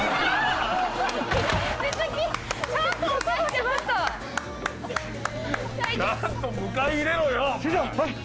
ちゃんと迎え入れろよ。